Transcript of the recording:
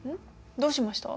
どうしました？